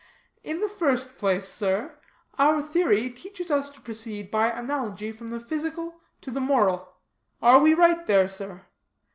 "In the first place, sir, our theory teaches us to proceed by analogy from the physical to the moral. Are we right there, sir?